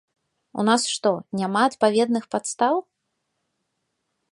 У нас што, няма адпаведных падстаў?